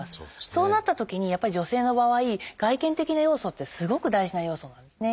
そうなったときにやっぱり女性の場合外見的な要素ってすごく大事な要素なんですね。